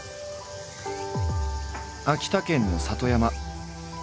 秋田県の里山。